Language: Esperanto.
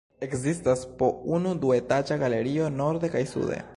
Ekzistas po unu duetaĝa galerio norde kaj sude.